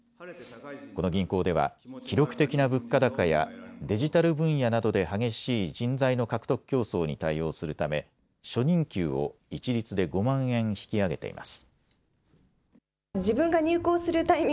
この銀行では記録的な物価高やデジタル分野などで激しい人材の獲得競争に対応するため初任給を一律で５万円引き上げています。